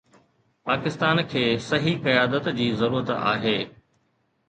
پاڪستان کي صحيح قيادت جي ضرورت آهي.